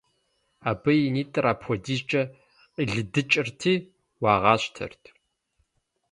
Абы и нитӀыр апхуэдизкӀэ къилыдыкӀырти, уагъащтэрт.